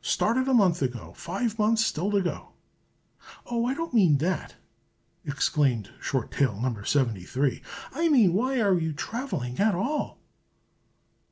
"Started a month ago; five months still to go." "Oh, I don't mean that!" exclaimed Short Tail No. 73. "I mean why are you travelling at all?"